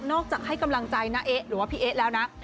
จากให้กำลังใจน้าเอ๊ะหรือว่าพี่เอ๊ะแล้วนะ